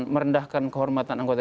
merendahkan kormatan anggota